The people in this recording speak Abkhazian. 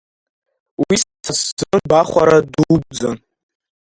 Уи сара сзын гәахәара дуӡӡан.